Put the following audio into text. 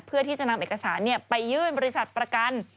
เพื่อที่จะนำเอกสารไปยื่นบริษัทประกัน